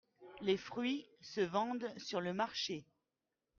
Les fruits se vendent sur le marché.